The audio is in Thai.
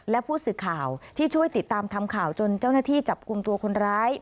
และผู้สื่อข่าวที่ช่วยติดตามทำข่าวจนเจ้าหน้าที่จับกลุ่มตัวคนร้าย